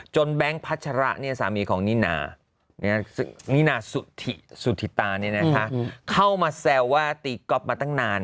จนแบงค์พัชระเนี่ยสามีของนี่นลำนี่นละสุทิสุทิตรอเนี่ยนะคะเข้ามาแซ่ว่าตีกรอฟมาตั้งนาน